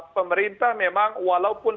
pemerintah memang walaupun